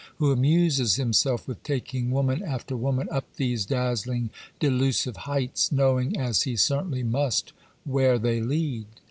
who amuses himself with taking woman after woman up these dazzling, delusive heights, knowing, as he certainly must, where they lead?